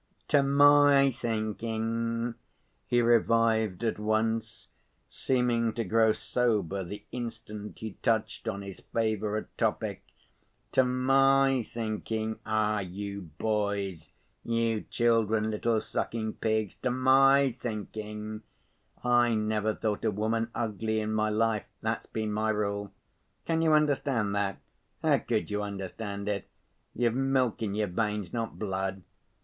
"To my thinking," he revived at once, seeming to grow sober the instant he touched on his favorite topic. "To my thinking ... Ah, you boys! You children, little sucking‐pigs, to my thinking ... I never thought a woman ugly in my life—that's been my rule! Can you understand that? How could you understand it? You've milk in your veins, not blood.